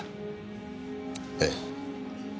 ええ。